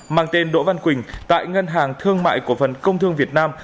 mang tên đỗ văn quỳnh tại ngân hàng thương mại cổ phần công thương việt nam